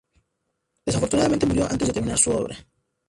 Desafortunadamente murió antes de terminar su obra.